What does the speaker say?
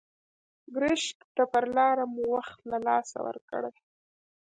ګرشک ته پر لاره مو وخت له لاسه ورکړی.